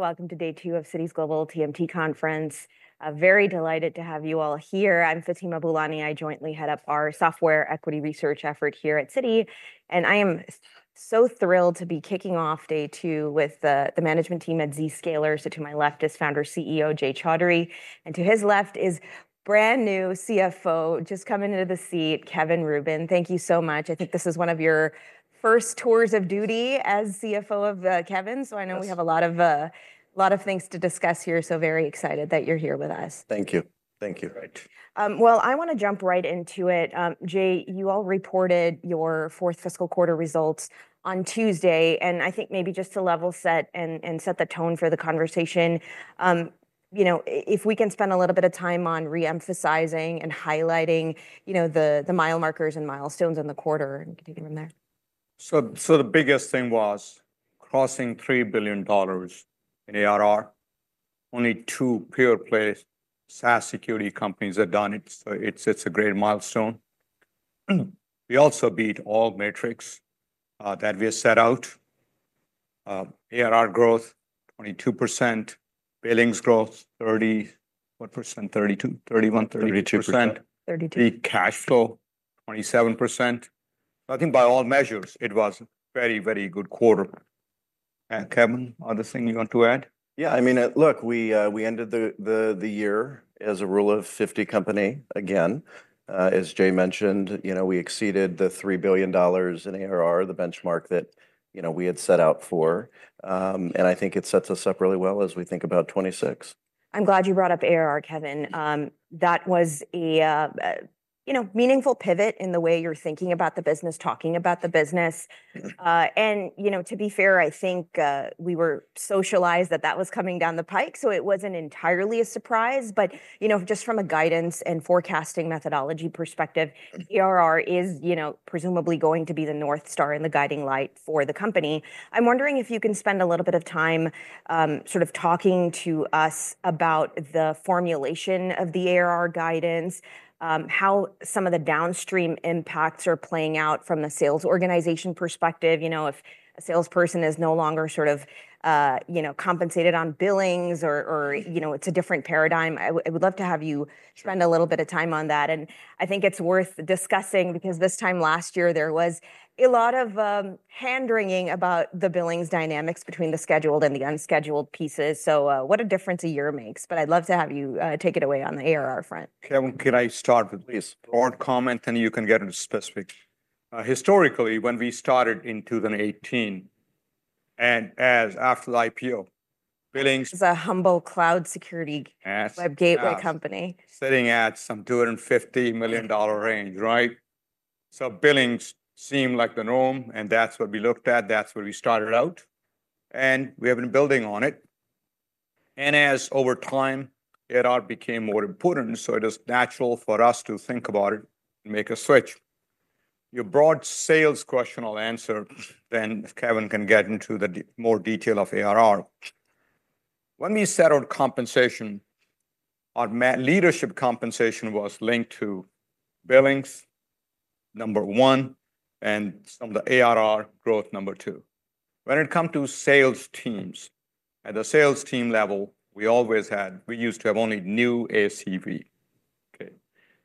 ... Welcome to day two of Citi's Global TMT Conference. I'm very delighted to have you all here. I'm Fatima Boolani, I jointly head up our software equity research effort here at Citi, and I am so thrilled to be kicking off day two with, the management team at Zscaler. So to my left is founder and CEO, Jay Chaudhry, and to his left is brand-new CFO, just coming into the seat, Kevin Rubin. Thank you so much. I think this is one of your first tours of duty as CFO of, Kevin. Yes. So I know we have a lot of things to discuss here, so very excited that you're here with us. Thank you. Thank you. Right. I want to jump right into it. Jay, you all reported your fourth fiscal quarter results on Tuesday, and I think maybe just to level-set and set the tone for the conversation, you know, if we can spend a little bit of time on re-emphasizing and highlighting, you know, the milestones in the quarter, and we can take it from there. The biggest thing was crossing $3 billion in ARR. Only two pure-play SaaS security companies have done it, so it's a great milestone. We also beat all metrics that we had set out. ARR growth, 22%; billings growth, 30%... what percent? 32%, 31%, 32%. 32%. 32. Free cash flow, 27%. I think by all measures, it was a very, very good quarter. And Kevin, other thing you want to add? Yeah, I mean, look, we ended the year as a Rule of 50 company again. As Jay mentioned, you know, we exceeded the $3 billion in ARR, the benchmark that, you know, we had set out for. And I think it sets us up really well as we think about 2026. I'm glad you brought up ARR, Kevin. That was a, you know, meaningful pivot in the way you're thinking about the business, talking about the business. Mm. And, you know, to be fair, I think, we were socialized that that was coming down the pike, so it wasn't entirely a surprise. But, you know, just from a guidance and forecasting methodology perspective- Mm... ARR is, you know, presumably going to be the North Star and the guiding light for the company. I'm wondering if you can spend a little bit of time, sort of talking to us about the formulation of the ARR guidance, how some of the downstream impacts are playing out from the sales organization perspective. You know, if a salesperson is no longer sort of, you know, compensated on billings or, you know, it's a different paradigm. I would love to have you- Sure... spend a little bit of time on that. And I think it's worth discussing, because this time last year, there was a lot of hand-wringing about the billings dynamics between the scheduled and the unscheduled pieces. So, what a difference a year makes, but I'd love to have you take it away on the ARR front. Kevin, can I start with this? Please... broad comment, and you can get into specific. Historically, when we started in 2018, and as after the IPO, billings- As a humble cloud security- Yes... web gateway company. Sitting at some $250 million range, right? So billings seemed like the norm, and that's what we looked at, that's where we started out, and we have been building on it. As over time, ARR became more important, so it is natural for us to think about it and make a switch. Your broad sales question I'll answer, then Kevin can get into the more detail of ARR. When we set out compensation, our management leadership compensation was linked to billings, number one, and some of the ARR growth, number two. When it come to sales teams, at the sales team level, we always had. We used to have only new ACV, okay?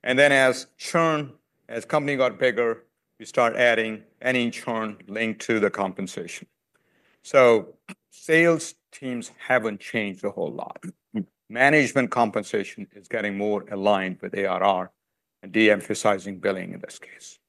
Then as churn, as company got bigger, we start adding any churn linked to the compensation. Sales teams haven't changed a whole lot. Management compensation is getting more aligned with ARR and de-emphasizing billing in this case.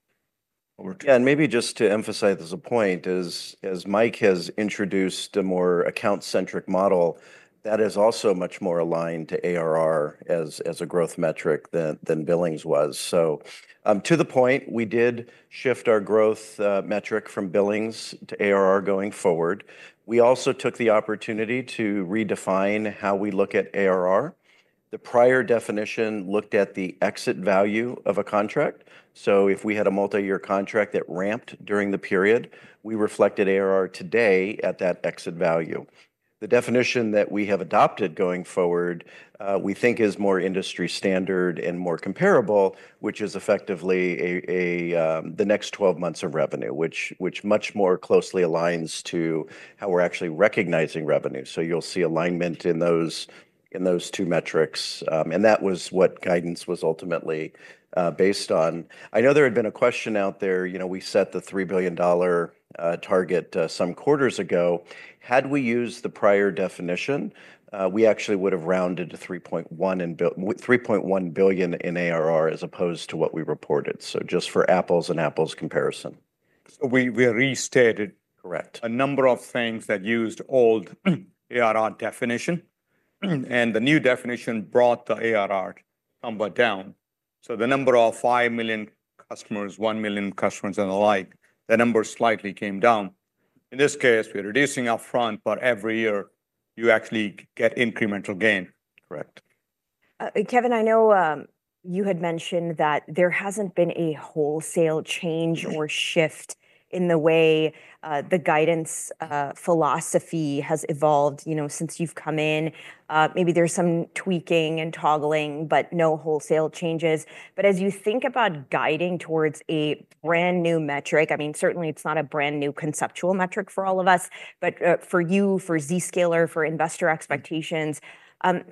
Over to you. Maybe just to emphasize as a point, as Mike has introduced a more account-centric model, that is also much more aligned to ARR as a growth metric than billings was. To the point, we did shift our growth metric from billings to ARR going forward. We also took the opportunity to redefine how we look at ARR. The prior definition looked at the exit value of a contract, so if we had a multi-year contract that ramped during the period, we reflected ARR today at that exit value. The definition that we have adopted going forward, we think is more industry standard and more comparable, which is effectively the next 12 months of revenue, which much more closely aligns to how we're actually recognizing revenue. You'll see alignment in those two metrics. And that was what guidance was ultimately based on. I know there had been a question out there, you know, we set the $3 billion target some quarters ago. Had we used the prior definition, we actually would've rounded to 3.1 billion in ARR, as opposed to what we reported, so just for apples and apples comparison. So we restated- Correct... a number of things that used old ARR definition, and the new definition brought the ARR number down. So the number of 5,000,000 customers, 1,000,000 customers, and the like, the numbers slightly came down. In this case, we're reducing upfront, but every year, you actually get incremental gain. Correct. Kevin, I know you had mentioned that there hasn't been a wholesale change or shift in the way the guidance philosophy has evolved, you know, since you've come in. Maybe there's some tweaking and toggling, but no wholesale changes. But as you think about guiding towards a brand-new metric, I mean, certainly it's not a brand-new conceptual metric for all of us, but for you, for Zscaler, for investor expectations,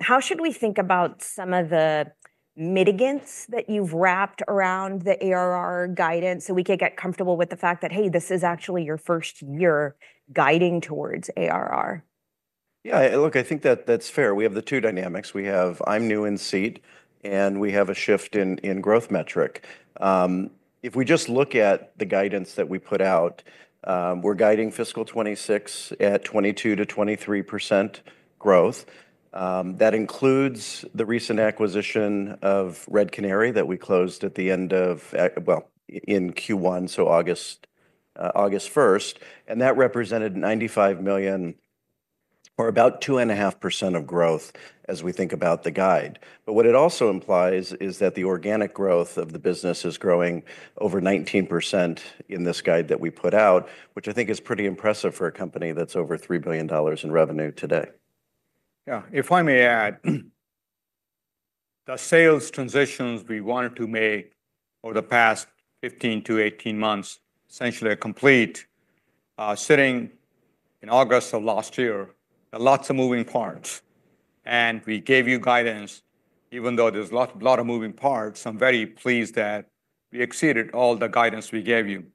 how should we think about some of the mitigants that you've wrapped around the ARR guidance, so we can get comfortable with the fact that, hey, this is actually your first year guiding towards ARR? Yeah, look, I think that that's fair. We have the two dynamics. We have, I'm new in seat, and we have a shift in growth metric. If we just look at the guidance that we put out, we're guiding fiscal 2026 at 22%-23% growth. That includes the recent acquisition of Red Canary, that we closed in Q1, so August 1st, and that represented $95 million or about 2.5% of growth as we think about the guide. But what it also implies is that the organic growth of the business is growing over 19% in this guide that we put out, which I think is pretty impressive for a company that's over $3 billion in revenue today. Yeah. If I may add, the sales transitions we wanted to make over the past 15 to 18 months, essentially are complete. Sitting in August of last year, there are lots of moving parts, and we gave you guidance. Even though there's lots of moving parts, I'm very pleased that we exceeded all the guidance we gave you.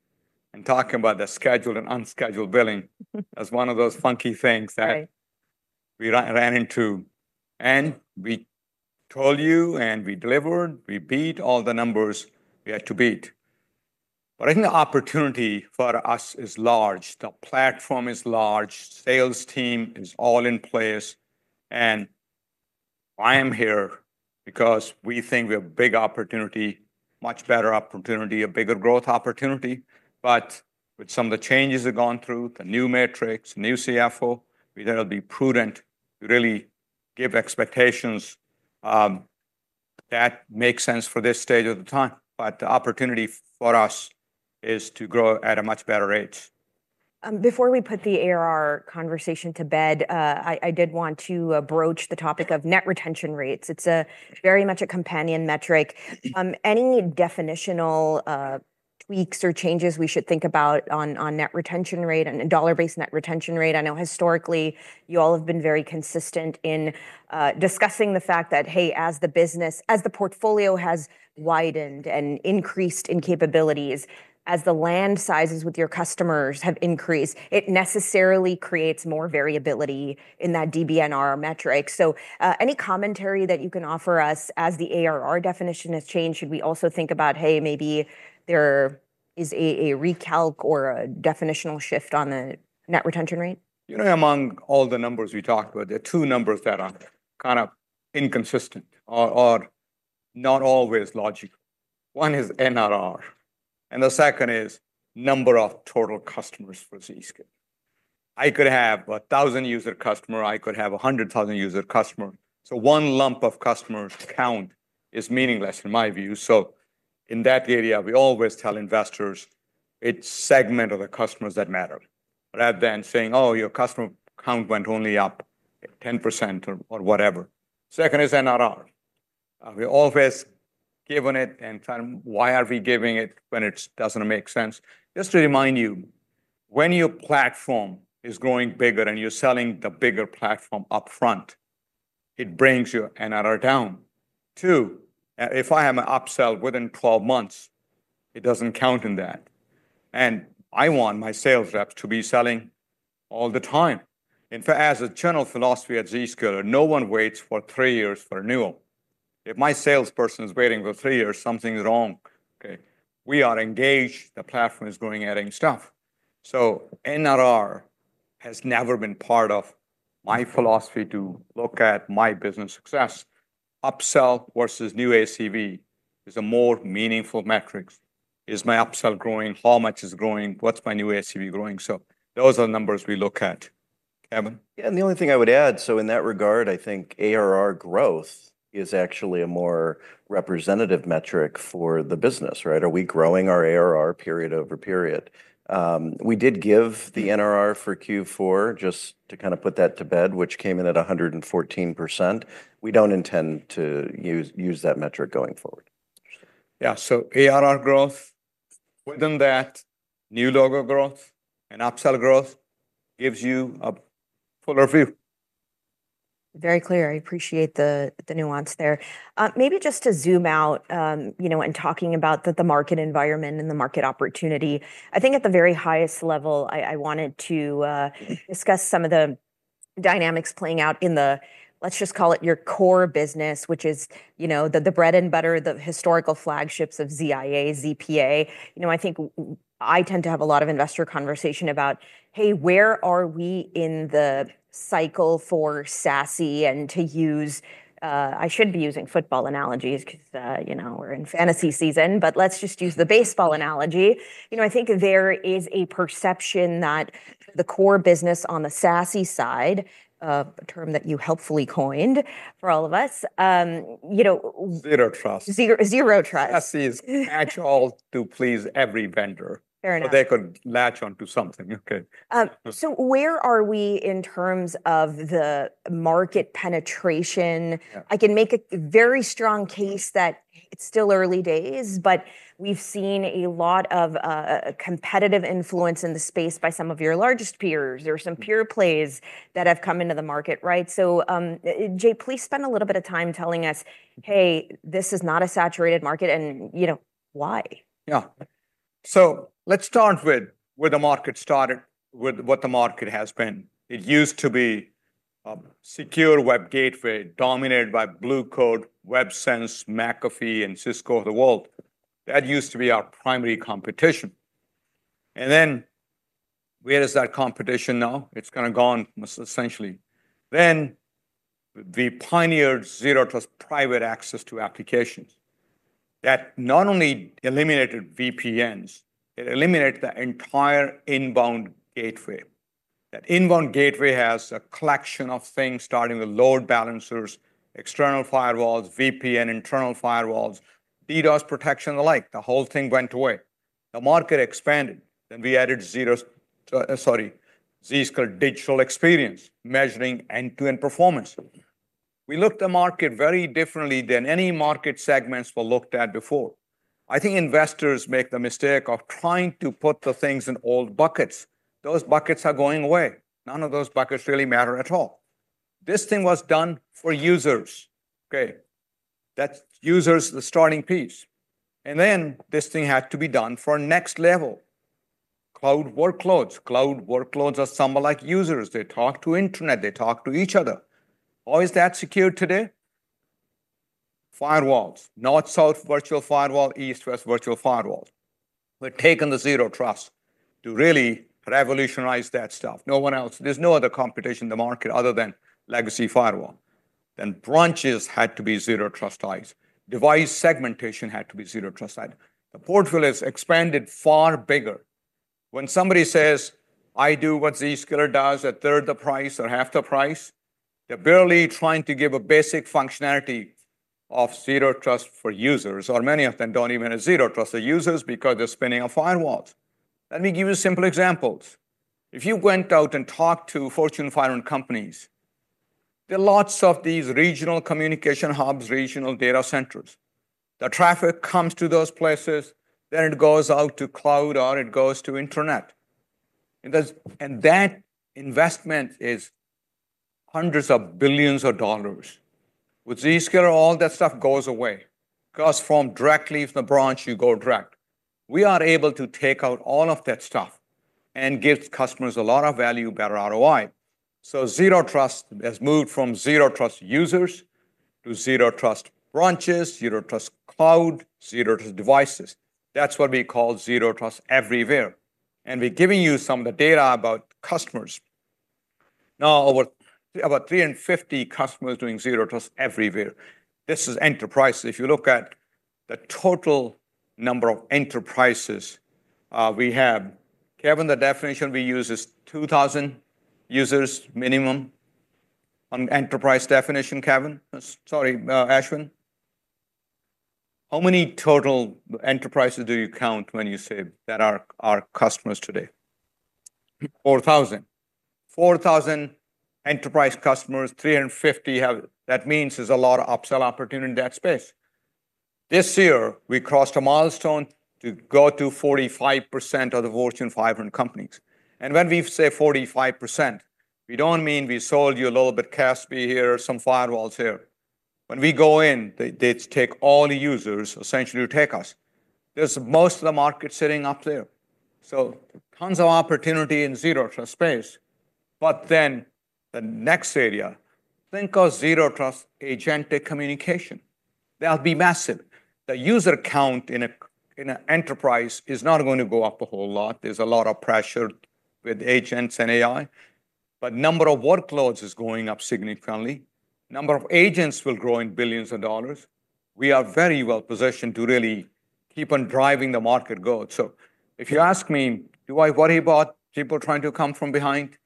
And talking about the scheduled and unscheduled billing as one of those funky things that- Right... we ran into, and we told you, and we delivered. We beat all the numbers we had to beat. But I think the opportunity for us is large. The platform is large, sales team is all in place, and I am here because we think we have big opportunity, much better opportunity, a bigger growth opportunity. But with some of the changes we've gone through, the new metrics, new CFO, we thought it'd be prudent to really give expectations that make sense for this stage of the time. But the opportunity for us is to grow at a much better rate. Before we put the ARR conversation to bed, I did want to broach the topic of net retention rates. It's a very much a companion metric. Any definitional tweaks or changes we should think about on net retention rate and dollar-based net retention rate? I know historically, you all have been very consistent in discussing the fact that, hey, as the portfolio has widened and increased in capabilities, as the land sizes with your customers have increased, it necessarily creates more variability in that DBNR metric. So, any commentary that you can offer us as the ARR definition has changed, should we also think about, hey, maybe there is a recalc or a definitional shift on the net retention rate? You know, among all the numbers we talked about, there are two numbers that are kind of inconsistent or not always logical. One is NRR, and the second is number of total customers for Zscaler. I could have a thousand-user customer, I could have a hundred thousand-user customer, so one lump of customers count is meaningless in my view. So in that area, we always tell investors it's segment of the customers that matter, rather than saying: "Oh, your customer count went only up 10%," or whatever. Second is NRR. We've always given it. Why are we giving it when it doesn't make sense? Just to remind you, when your platform is growing bigger and you're selling the bigger platform upfront, it brings your NRR down. Two, if I have an upsell within twelve months, it doesn't count in that, and I want my sales reps to be selling all the time. In fact, as a general philosophy at Zscaler, no one waits for three years for renewal. If my salesperson is waiting for three years, something's wrong, okay? We are engaged, the platform is growing, adding stuff. So NRR has never been part of my philosophy to look at my business success. Upsell versus new ACV is a more meaningful metric. Is my upsell growing? How much is growing? What's my new ACV growing? So those are the numbers we look at. Kevin? Yeah, and the only thing I would add, so in that regard, I think ARR growth is actually a more representative metric for the business, right? Are we growing our ARR period over period? We did give the NRR for Q4, just to kind of put that to bed, which came in at 114%. We don't intend to use that metric going forward. Yeah, so ARR growth, within that, new logo growth and upsell growth gives you a fuller view. Very clear. I appreciate the nuance there. Maybe just to zoom out, you know, in talking about the market environment and the market opportunity, I think at the very highest level, I wanted to discuss some of the dynamics playing out in the... let's just call it your core business, which is, you know, the bread and butter, the historical flagships of ZIA, ZPA. You know, I think I tend to have a lot of investor conversation about, "Hey, where are we in the cycle for SASE?" And to use, I should be using football analogies, 'cause, you know, we're in fantasy season, but let's just use the baseball analogy. You know, I think there is a perception that the core business on the SASE side, a term that you helpfully coined for all of us, you know- Zero trust. Zero Trust. SASE is actually to please every vendor. Fair enough. So they could latch onto something. Okay. So where are we in terms of the market penetration? Yeah. I can make a very strong case that it's still early days, but we've seen a lot of competitive influence in the space by some of your largest peers. There are some peer plays that have come into the market, right? So, Jay, please spend a little bit of time telling us: "Hey, this is not a saturated market," and, you know, why? Let's start with where the market started, with what the market has been. It used to be a secure web gateway dominated by Blue Coat, Websense, McAfee, and Cisco of the world. That used to be our primary competition. Then where is that competition now? It's kind of gone, essentially. We pioneered zero-trust private access to applications that not only eliminated VPNs, it eliminated the entire inbound gateway. That inbound gateway has a collection of things, starting with load balancers, external firewalls, VPN, internal firewalls, DDoS protection, and the like. The whole thing went away. The market expanded, then we added Zscaler Digital Experience, measuring end-to-end performance. We looked the market very differently than any market segments were looked at before. I think investors make the mistake of trying to put the things in old buckets. Those buckets are going away. None of those buckets really matter at all. This thing was done for users, okay? That's users, the starting piece, and then this thing had to be done for next level. Cloud workloads. Cloud workloads are somewhat like users. They talk to internet, they talk to each other. How is that secured today? Firewalls. North-South virtual firewall, East-West virtual firewall. We've taken the Zero Trust to really revolutionize that stuff. No one else... There's no other competition in the market other than legacy firewall. Then branches had to be zero-trustized. Device segmentation had to be zero-trustized. The portfolio has expanded far bigger. When somebody says, "I do what Zscaler does at third the price or half the price," they're barely trying to give a basic functionality of Zero Trust for users, or many of them don't even have Zero Trust for users because they're spending on firewalls. Let me give you simple examples. If you went out and talked to Fortune 500 companies, there are lots of these regional communication hubs, regional data centers. The traffic comes to those places, then it goes out to cloud, or it goes to internet. And that investment is hundreds of billions of dollars. With Zscaler, all that stuff goes away, because directly from the branch, you go direct. We are able to take out all of that stuff and give customers a lot of value, better ROI. So zero trust has moved from zero-trust users to zero-trust branches, zero-trust cloud, zero-trust devices. That's what we call zero trust everywhere, and we're giving you some of the data about customers. Now, about 350 customers doing zero trust everywhere. This is enterprise. If you look at the total number of enterprises, we have, Kevin, the definition we use is 2,000 users minimum on enterprise definition, Kevin? Sorry, Ashwin, how many total enterprises do you count when you say that are our customers today? Four thousand. Four thousand enterprise customers, three hundred and fifty have... That means there's a lot of upsell opportunity in that space. This year, we crossed a milestone to go to 45% of the Fortune 500 companies. And when we say 45%, we don't mean we sold you a little bit CASB here, some firewalls here. When we go in, they, they take all the users, essentially you take us. There's most of the market sitting up there, so tons of opportunity in zero-trust space. But then the next area, think of zero trust agentic communication. That'll be massive. The user count in an enterprise is not going to go up a whole lot. There's a lot of pressure with agents and AI, but number of workloads is going up significantly. Number of agents will grow in billions of dollars. We are very well positioned to really keep on driving the market growth. So if you ask me, do I worry about people trying to come from behind?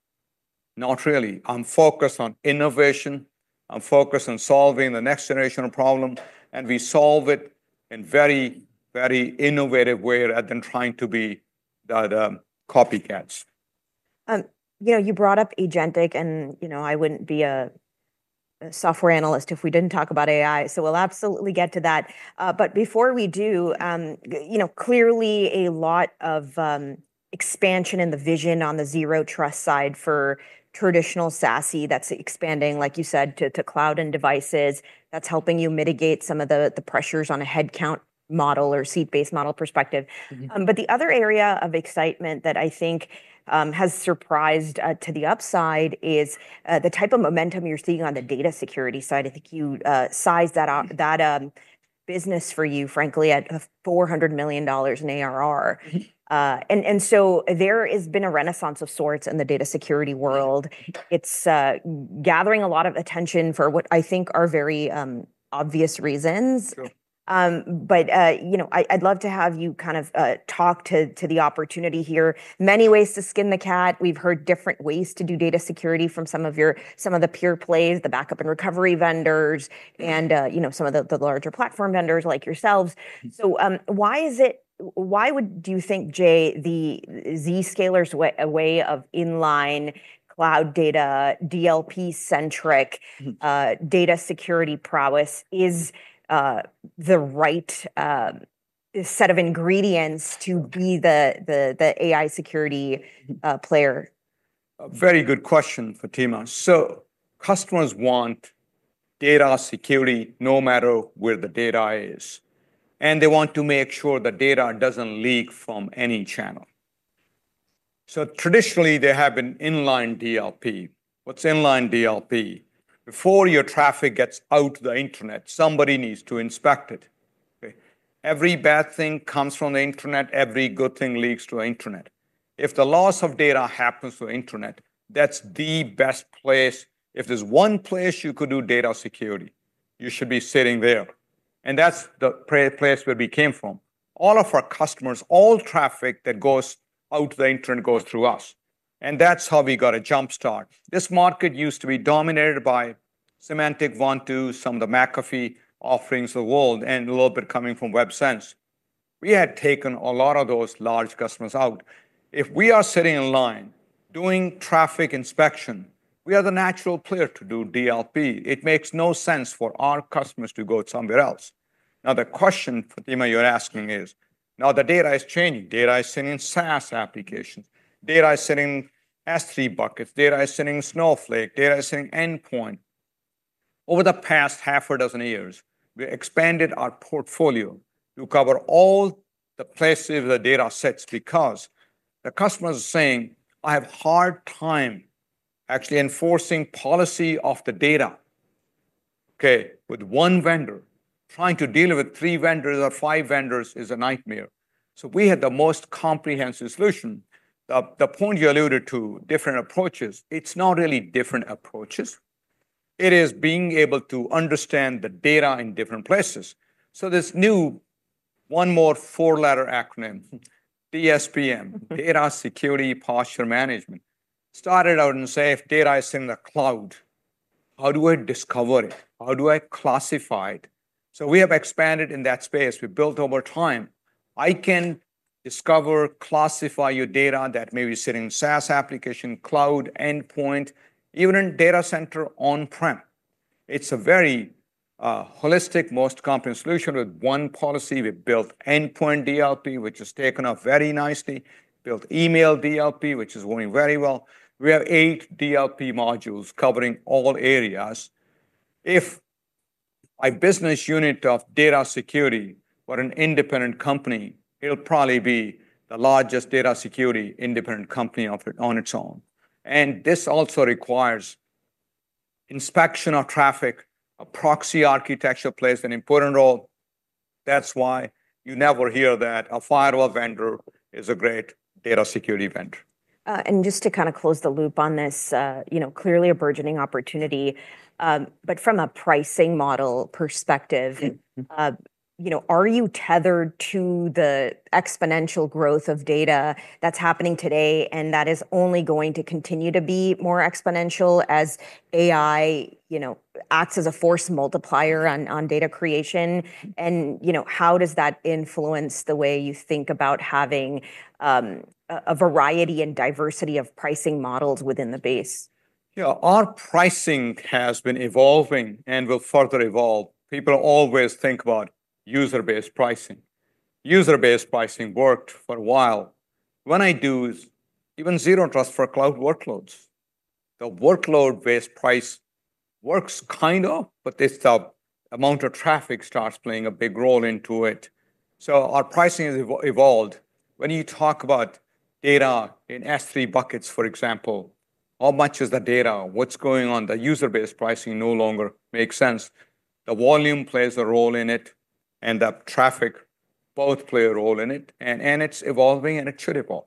Not really. I'm focused on innovation, I'm focused on solving the next generational problem, and we solve it in very, very innovative way rather than trying to be the copycats. You know, you brought up agentic, and, you know, I wouldn't be a software analyst if we didn't talk about AI, so we'll absolutely get to that. But before we do, you know, clearly a lot of expansion in the vision on the zero trust side for traditional SASE that's expanding, like you said, to cloud and devices, that's helping you mitigate some of the pressures on a headcount model or seat-based model perspective. Mm-hmm. But the other area of excitement that I think has surprised to the upside is the type of momentum you're seeing on the data security side. I think you sized that business for you, frankly, at $400 million in ARR. Mm-hmm. And so there has been a renaissance of sorts in the data security world. Mm-hmm. It's gathering a lot of attention for what I think are very obvious reasons. True. You know, I'd love to have you kind of talk to the opportunity here. Many ways to skin the cat. We've heard different ways to do data security from some of the pure plays, the backup and recovery vendors, and you know, some of the larger platform vendors like yourselves. Mm-hmm. Why would do you think, Jay, the Zscaler's way of inline cloud data, DLP-centric? Mm-hmm... data security prowess is the right set of ingredients to be the AI security player?... A very good question, Fatima. So customers want data security no matter where the data is, and they want to make sure the data doesn't leak from any channel. So traditionally, they have an inline DLP. What's inline DLP? Before your traffic gets out to the internet, somebody needs to inspect it, okay? Every bad thing comes from the internet, every good thing leaks to the internet. If the loss of data happens to the internet, that's the best place. If there's one place you could do data security, you should be sitting there, and that's the place where we came from. All of our customers, all traffic that goes out to the internet goes through us, and that's how we got a jump start. This market used to be dominated by Symantec, Vontu, some of the McAfee offerings of the world, and a little bit coming from Websense. We had taken a lot of those large customers out. If we are sitting in line doing traffic inspection, we are the natural player to do DLP. It makes no sense for our customers to go somewhere else. Now, the question, Fatima, you're asking is, now the data is changing. Data is sitting in SaaS applications, data is sitting in S3 buckets, data is sitting in Snowflake, data is sitting in endpoints. Over the past half a dozen years, we expanded our portfolio to cover all the places the data sits because the customer is saying, "I have hard time actually enforcing policy of the data," okay, "with one vendor. Trying to deal with three vendors or five vendors is a nightmare." So we had the most comprehensive solution. The point you alluded to, different approaches, it's not really different approaches, it is being able to understand the data in different places. So this new one more four-letter acronym, DSPM - Data Security Posture Management, started out and say, if data is in the cloud, how do I discover it? How do I classify it? So we have expanded in that space. We built over time. I can discover, classify your data that may be sitting in SaaS application, cloud, endpoint, even in data center, on-prem. It's a very holistic, most comprehensive solution. With one policy, we built endpoint DLP, which has taken off very nicely, built email DLP, which is going very well. We have eight DLP modules covering all areas. If a business unit of data security were an independent company, it'll probably be the largest data security independent company of it, on its own, and this also requires inspection of traffic. A proxy architecture plays an important role. That's why you never hear that a firewall vendor is a great data security vendor. And just to kind of close the loop on this, you know, clearly a burgeoning opportunity, but from a pricing model perspective- Mm-hmm, mm-hmm... you know, are you tethered to the exponential growth of data that's happening today, and that is only going to continue to be more exponential as AI, you know, acts as a force multiplier on data creation? Mm-hmm. You know, how does that influence the way you think about having a variety and diversity of pricing models within the base? Yeah, our pricing has been evolving and will further evolve. People always think about user-based pricing. User-based pricing worked for a while. What I do is even Zero Trust for cloud workloads. The workload-based price works kind of, but this, the amount of traffic starts playing a big role into it. So our pricing has evolved. When you talk about data in S3 buckets, for example, how much is the data? What's going on? The user-based pricing no longer makes sense. The volume plays a role in it, and the traffic both play a role in it, and it's evolving, and it should evolve.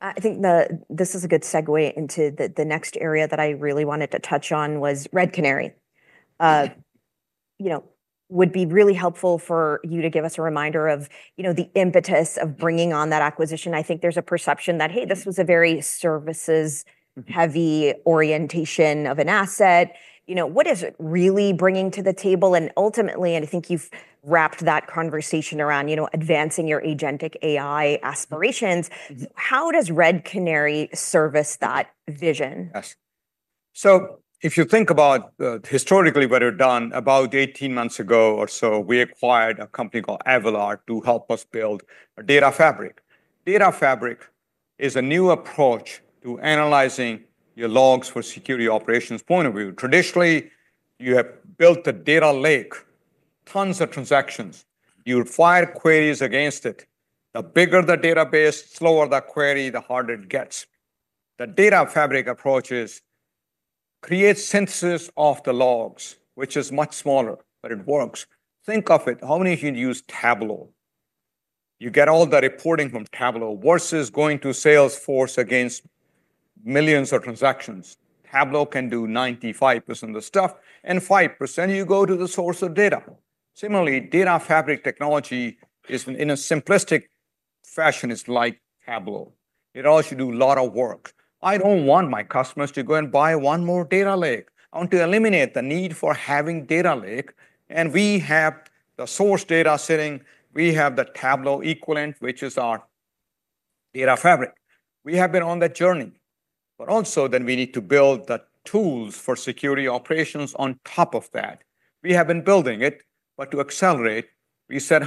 I think this is a good segue into the next area that I really wanted to touch on: Red Canary. Mm-hmm. You know, would be really helpful for you to give us a reminder of, you know, the impetus of bringing on that acquisition. I think there's a perception that, hey, this was a very services- Mm-hmm... heavy orientation of an asset. You know, what is it really bringing to the table? And ultimately, and I think you've wrapped that conversation around, you know, advancing your agentic AI aspirations- Mm-hmm... how does Red Canary service that vision? Yes. So if you think about, historically, what we've done, about 18 months ago or so, we acquired a company called Avalor to help us build a data fabric. Data fabric is a new approach to analyzing your logs for security operations point of view. Traditionally, you have built a data lake, tons of transactions. You would fire queries against it. The bigger the database, the slower the query, the harder it gets. The data fabric approach is, create synthesis of the logs, which is much smaller, but it works. Think of it, how many of you use Tableau? You get all the reporting from Tableau versus going to Salesforce against millions of transactions. Tableau can do 95% of the stuff, and 5%, you go to the source of data. Similarly, data fabric technology is, in a simplistic fashion, is like Tableau. It also do a lot of work. I don't want my customers to go and buy one more data lake. I want to eliminate the need for having data lake, and we have the source data sitting. We have the Tableau equivalent, which is our data fabric. We have been on that journey, but also, then we need to build the tools for security operations on top of that. We have been building it, but to accelerate, we said,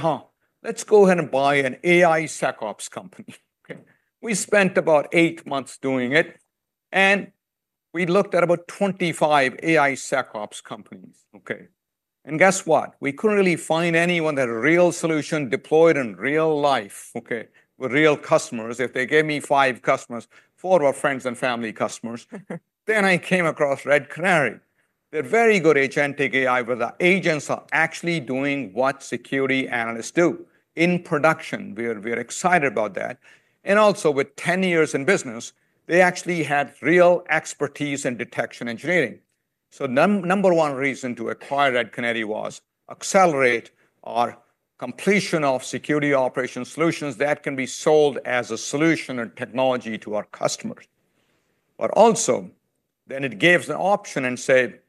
"Let's go ahead and buy an AI SecOps company. Okay, we spent about eight months doing it, and we looked at about 25 AI SecOps companies, okay? And guess what? We couldn't really find anyone that a real solution deployed in real life, okay, with real customers. If they gave me five customers, four were friends and family customers. Then I came across Red Canary. They're very good agentic AI, where the agents are actually doing what security analysts do in production. We are, we are excited about that. And also, with 10 years in business, they actually had real expertise in detection engineering. So number one reason to acquire Red Canary was accelerate our completion of security operation solutions that can be sold as a solution and technology to our customers. But also, then it gives an option and said,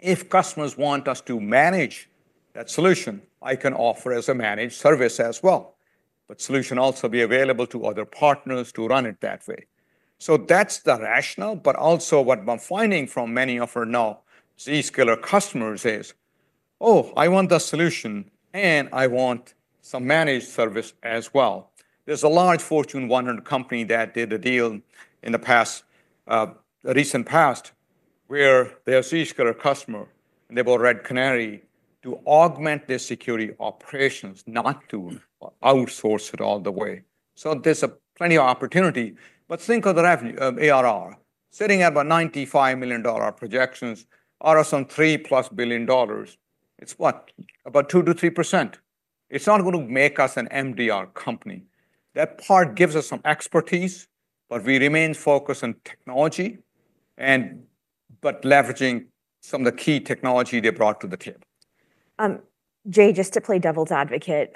"If customers want us to manage that solution, I can offer as a managed service as well," but solution also be available to other partners to run it that way. So that's the rationale, but also what I'm finding from many of our now Zscaler customers is, "Oh, I want the solution, and I want some managed service as well." There's a large Fortune 100 company that did a deal in the past, recent past, where they're a Zscaler customer, and they bought Red Canary to augment their security operations, not to outsource it all the way. So there's plenty of opportunity. But think of the revenue, ARR. Sitting at about $95 million projections, ARR some $3-plus billion. It's what? About 2% to 3%. It's not going to make us an MDR company. That part gives us some expertise, but we remain focused on technology, and but leveraging some of the key technology they brought to the table. Jay, just to play devil's advocate,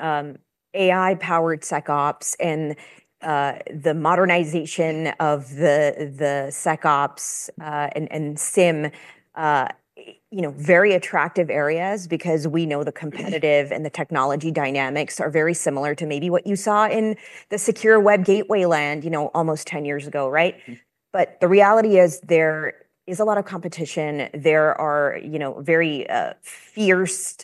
AI-powered SecOps and the modernization of the SecOps and SIM, you know, very attractive areas because we know the competitive and the technology dynamics are very similar to maybe what you saw in the secure web gateway landscape, you know, almost 10 years ago, right? Mm-hmm. But the reality is, there is a lot of competition. There are, you know, very fierce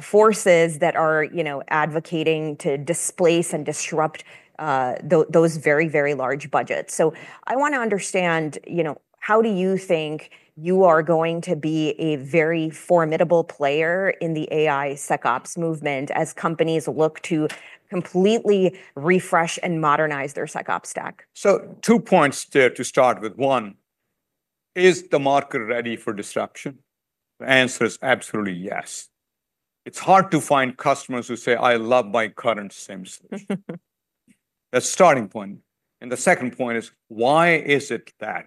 forces that are, you know, advocating to displace and disrupt those very, very large budgets. So I wanna understand, you know, how do you think you are going to be a very formidable player in the AI SecOps movement, as companies look to completely refresh and modernize their SecOps stack? So two points there to start with. One, is the market ready for disruption? The answer is absolutely yes. It's hard to find customers who say, "I love my current SIM solution." That's starting point. And the second point is, why is it that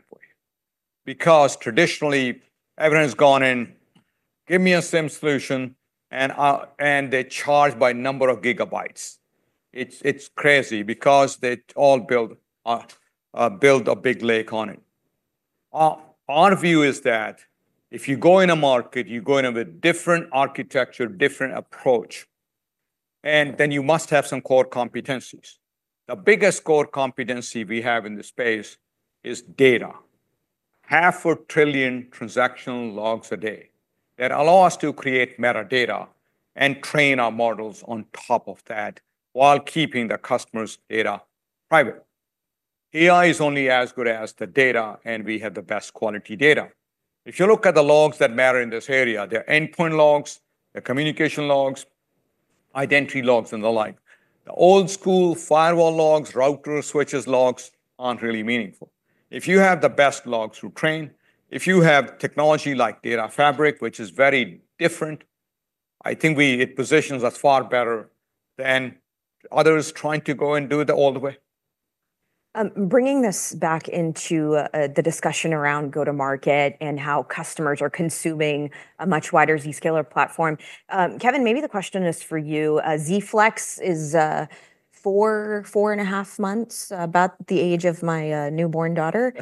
way? Because traditionally, everyone has gone in, "Give me a SIM solution," and they're charged by number of gigabytes. It's crazy because they all build a big lake on it. Our view is that if you go in a market, you go in with different architecture, different approach, and then you must have some core competencies. The biggest core competency we have in this space is data. 500 billion transactional logs a day that allow us to create metadata and train our models on top of that, while keeping the customer's data private. AI is only as good as the data, and we have the best quality data. If you look at the logs that matter in this area, their endpoint logs, their communication logs, identity logs, and the like. The old-school firewall logs, router switches logs aren't really meaningful. If you have the best logs to train, if you have technology like data fabric, which is very different, I think we... It positions us far better than others trying to go and do it the old way. Bringing this back into the discussion around go-to-market and how customers are consuming a much wider Zscaler platform, Kevin, maybe the question is for you. Z-Flex is four and a half months, about the age of my newborn daughter.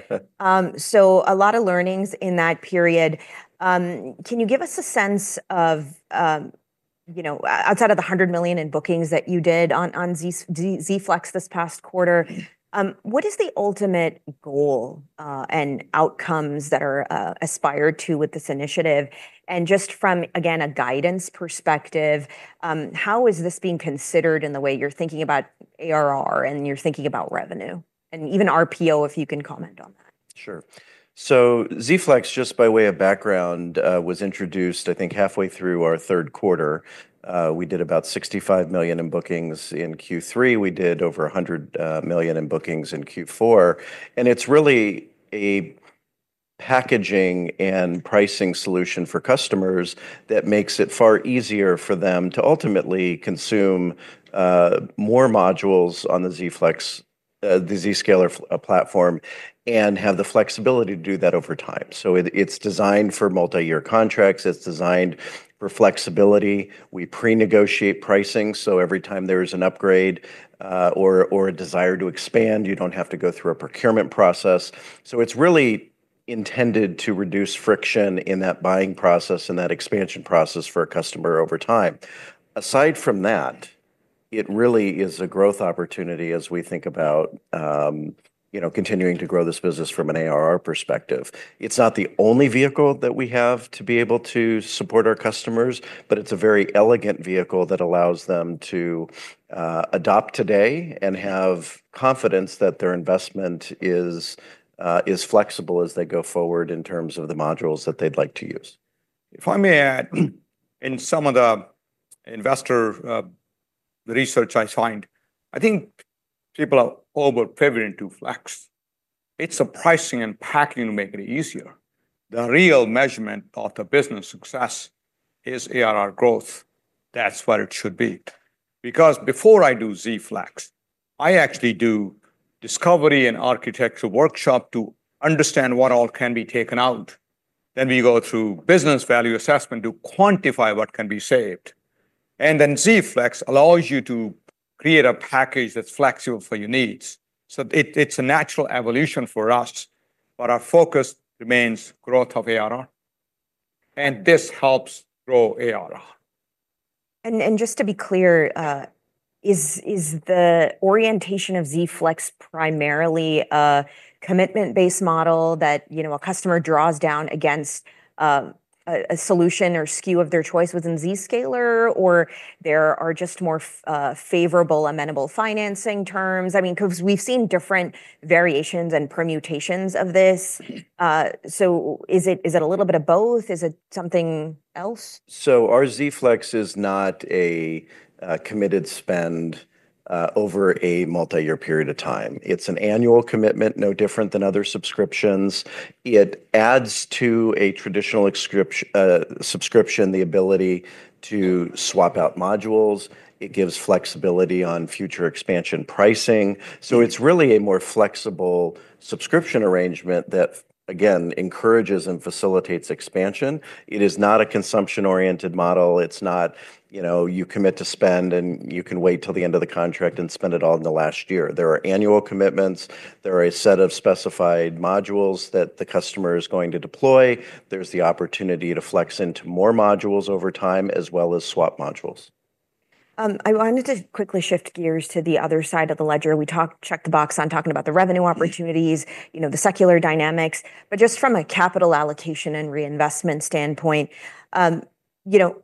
So a lot of learnings in that period. Can you give us a sense of, you know, outside of the $100 million in bookings that you did on Z-Flex this past quarter, what is the ultimate goal and outcomes that are aspired to with this initiative? And just from, again, a guidance perspective, how is this being considered in the way you're thinking about ARR and you're thinking about revenue, and even RPO, if you can comment on that? Sure. So Z-Flex, just by way of background, was introduced, I think, halfway through our third quarter. We did about $65 million in bookings in Q3. We did over $100 million in bookings in Q4, and it's really a packaging and pricing solution for customers that makes it far easier for them to ultimately consume more modules on the Z-Flex, the Zscaler platform, and have the flexibility to do that over time. So it's designed for multi-year contracts. It's designed for flexibility. We pre-negotiate pricing, so every time there is an upgrade or a desire to expand, you don't have to go through a procurement process. So it's really intended to reduce friction in that buying process and that expansion process for a customer over time. Aside from that... It really is a growth opportunity as we think about, you know, continuing to grow this business from an ARR perspective. It's not the only vehicle that we have to be able to support our customers, but it's a very elegant vehicle that allows them to adopt today, and have confidence that their investment is flexible as they go forward in terms of the modules that they'd like to use. If I may add, in some of the investor research I find, I think people are over-favoring to Z-Flex. It's the pricing and packaging to make it easier. The real measurement of the business success is ARR growth. That's what it should be. Because before I do Z-Flex, I actually do discovery and architecture workshop to understand what all can be taken out. Then we go through business value assessment to quantify what can be saved. And then Z-Flex allows you to create a package that's flexible for your needs. So it's a natural evolution for us, but our focus remains growth of ARR, and this helps grow ARR. Just to be clear, is the orientation of Z-Flex primarily a commitment-based model that, you know, a customer draws down against a solution or SKU of their choice within Zscaler? Or are there just more favorable, amenable financing terms? I mean, 'cause we've seen different variations and permutations of this. So is it a little bit of both? Is it something else? Our Z-Flex is not a committed spend over a multi-year period of time. It's an annual commitment, no different than other subscriptions. It adds to a traditional Zscaler subscription the ability to swap out modules. It gives flexibility on future expansion pricing. It's really a more flexible subscription arrangement that, again, encourages and facilitates expansion. It is not a consumption-oriented model. It's not, you know, you commit to spend, and you can wait till the end of the contract and spend it all in the last year. There are annual commitments. There are a set of specified modules that the customer is going to deploy. There's the opportunity to flex into more modules over time, as well as swap modules. I wanted to quickly shift gears to the other side of the ledger. We talked... Checked the box on talking about the revenue opportunities, you know, the secular dynamics. But just from a capital allocation and reinvestment standpoint, you know,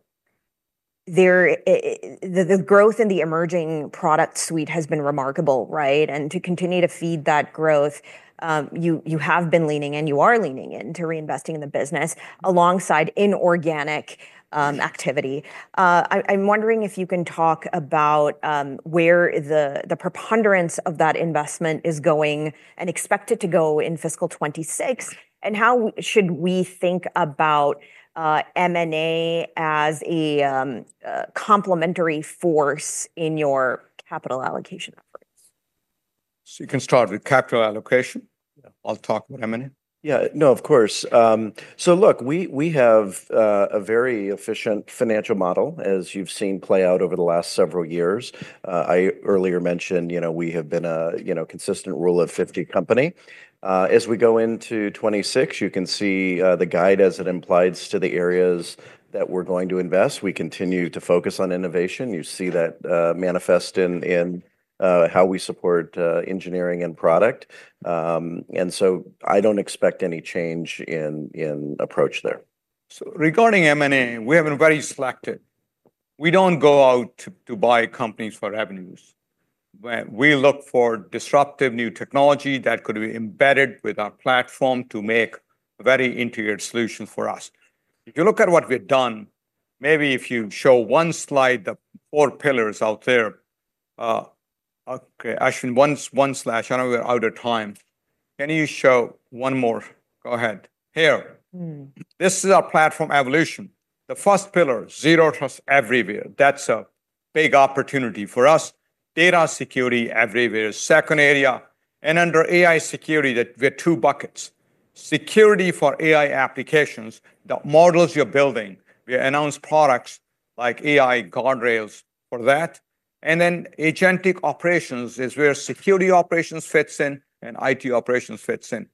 there, the growth in the emerging product suite has been remarkable, right? And to continue to feed that growth, you have been leaning, and you are leaning in to reinvesting in the business alongside inorganic activity. I'm wondering if you can talk about where the preponderance of that investment is going and expected to go in fiscal 2026, and how should we think about M&A as a complementary force in your capital allocation efforts? You can start with capital allocation. Yeah. I'll talk about M&A. Yeah. No, of course. So look, we have a very efficient financial model, as you've seen play out over the last several years. I earlier mentioned, you know, we have been a, you know, consistent Rule of 50 company. As we go into 2026, you can see the guide as it implies to the areas that we're going to invest. We continue to focus on innovation. You see that manifest in how we support engineering and product. And so I don't expect any change in approach there. So regarding M&A, we have been very selective. We don't go out to buy companies for revenues. We look for disruptive new technology that could be embedded with our platform to make a very integrated solution for us. If you look at what we've done, maybe if you show one slide, the four pillars out there. Okay, Ashwin, one slide. I know we're out of time. Can you show one more? Go ahead. Here. Mm. This is our platform evolution. The first pillar, Zero Trust everywhere. That's a big opportunity for us. Data security everywhere, second area, and under AI security, that we have two buckets: security for AI applications, the models you're building. We announced products like AI Guardrails for that. And then agentic operations is where security operations fits in and IT operations fits in.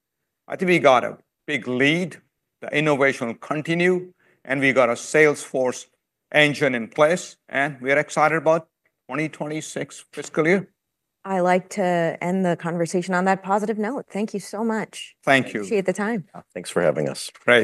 I think we got a big lead, the innovation will continue, and we got a sales force engine in place, and we're excited about 2026 fiscal year. I like to end the conversation on that positive note. Thank you so much. Thank you. Appreciate the time. Yeah, thanks for having us. Great.